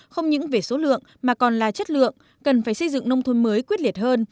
không những về số lượng mà còn là chất lượng cần phải xây dựng nông thôn mới quyết liệt hơn